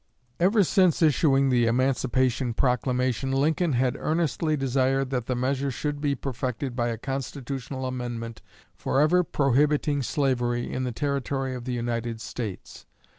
Ever since issuing the Emancipation Proclamation Lincoln had earnestly desired that that measure should be perfected by a Constitutional amendment forever prohibiting slavery in the territory of the United States.